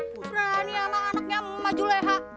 berani ala anaknya emak juleha